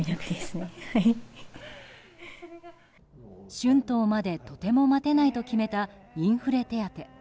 春闘までとても待てないと決めたインフレ手当。